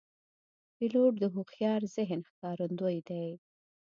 پیلوټ د هوښیار ذهن ښکارندوی دی.